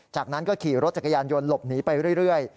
จากนั้นก็ขี่รถจักรยานยนต์หลบหนีไปเรื่อย